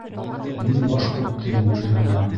Мин башҡорт телен өйрәнәм.